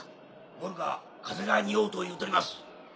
・ゴルが風がにおうと言うとります・